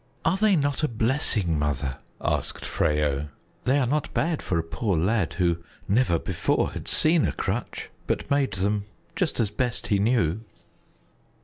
"Are they not a blessing, Mother?" asked Freyo. "They are not bad for a poor lad who never before had seen a crutch, but made them just as best he knew."